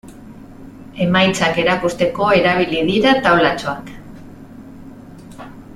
Emaitzak erakusteko erabili dira taulatxoak.